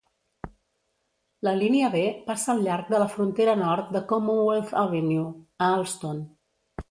La línia B passa al llarg de la frontera nord de Commonwealth Avenue, a Allston.